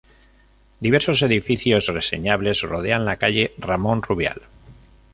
Diversos edificios reseñables rodean la calle Ramón Rubial.